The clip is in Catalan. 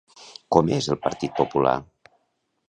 Com és el Partit Popular?